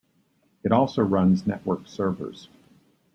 It also runs network servers.